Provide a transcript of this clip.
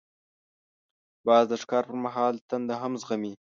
باز د ښکار پر مهال تنده هم زغمي